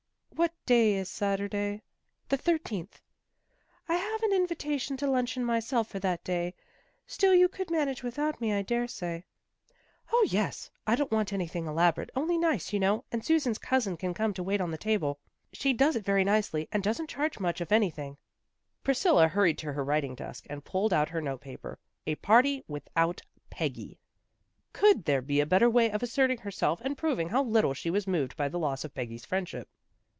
" What day is Saturday? "" The thirteenth." " I have an invitation to luncheon myself for that day; still you could manage without me, I dare say." " 0, yes. I don't want anything elaborate, only nice, you know. And Susan's cousin can come to wait on the table. She does it very nicely, and doesn't charge much of any A BELATED INVITATION 261 thing." Priscilla hurried to her writing desk, and pulled out her note paper. A party with out Peggy! Could there be a better way of asserting herself and proving how little she was moved by the loss of Peggy's friendship.